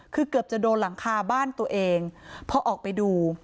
คือเกือบจะโดนหลังคาบ้านตัวเองพอออกไปดู